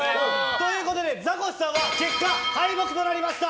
ということで、ザコシさんは結果敗北となりました。